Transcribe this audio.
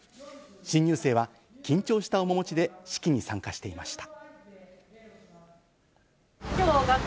新入生は緊張した面持ちで式に参加していました。